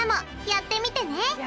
やってみてね！